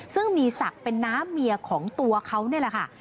ซึ่งมีศักดิ์เป็นน้าเมียของตัวเขานี่แหละค่ะ